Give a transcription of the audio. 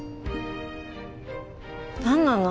何なの？